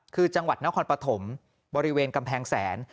คือจังหวัดนครปฐมบริเวณกำแพงแสน